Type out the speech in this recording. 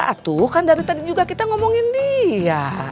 aduh kan dari tadi juga kita ngomongin dia